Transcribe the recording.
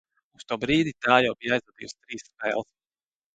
Uz to brīdi tā jau bija aizvadījusi trīs spēles.